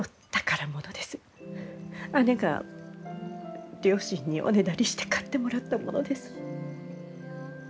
姉が両親におねだりして買ってもらったものです。